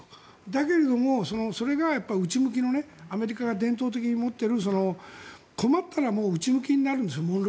だけれども、それが内向きのアメリカが伝統的に持っている困ったら内向きになるんです。